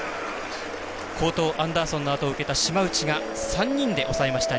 ８回、好投アンダーソンのあとを受けた島内が３人で抑えました。